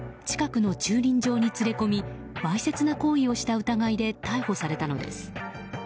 近くの駐輪場に連れ込みわいせつな行為をした疑いで逮捕されたのです。